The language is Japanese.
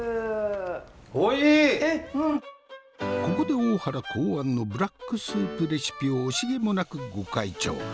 ここで大原考案のブラックスープレシピを惜しげもなくご開帳。